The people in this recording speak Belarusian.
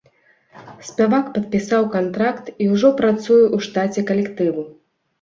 Спявак падпісаў кантракт і ўжо працуе ў штаце калектыву.